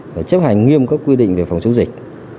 và chấp hành nghiêm các quy định về phòng chống dịch